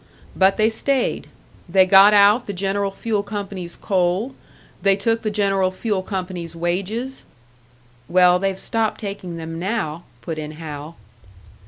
But they stayed; they got out the General Fuel Company's coal, they took the General Fuel Company's wages "Well, they've stopped taking them now," put in Hal.